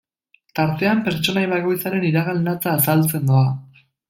Tartean, pertsonai bakoitzaren iragan latza azaltzen doa.